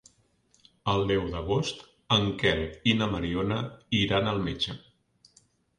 El deu d'agost en Quel i na Mariona iran al metge.